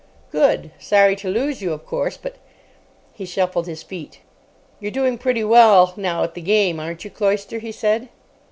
"Good. Sorry to lose you, of course, but——" He shuffled his feet. "You're doing pretty well now at the game, aren't you, Cloyster?" he said.